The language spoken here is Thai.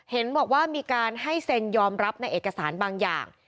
เห็นบอกว่ามีการให้เซ็นยอมรับในเอกสารบางอย่าง